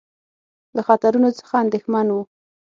له خطرونو څخه اندېښمن وو.